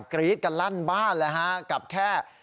กรี๊ดกันลั่นบ้านเลยฮะกับแค่